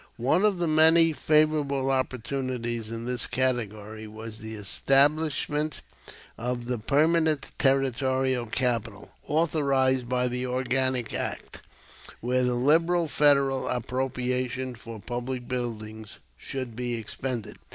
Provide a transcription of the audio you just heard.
One of the many favorable opportunities in this category was the establishment of the permanent territorial capital, authorized by the organic act, where the liberal Federal appropriation for public buildings should be expended.